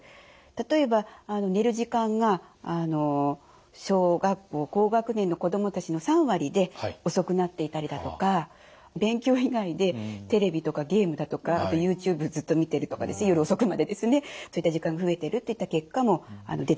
例えば寝る時間が小学校高学年の子どもたちの３割で遅くなっていたりだとか勉強以外でテレビとかゲームだとかあとユーチューブずっと見てるとかですね夜遅くまでですねそういった時間が増えてるといった結果も出てきています。